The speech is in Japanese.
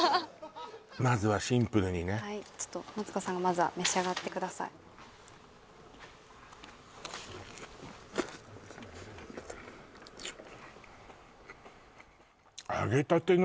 まずはシンプルにねはいマツコさんがまずは召し上がってくださいねっ？